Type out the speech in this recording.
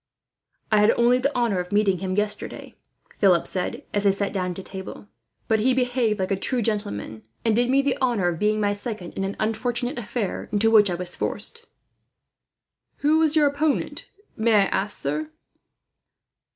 "I had only the honour of meeting him yesterday," Philip said, as they sat down to table; "but he behaved like a true gentleman, and did me the honour of being my second, in an unfortunate affair into which I was forced." "Who was your opponent, may I ask, sir?"